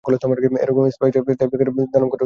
এরকম space type কাউকে দুটো দানবক্ষেত্র থাকতে দেখিনি।